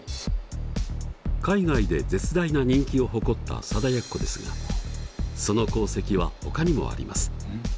海外で絶大な人気を誇った貞奴ですがその功績はほかにもあります。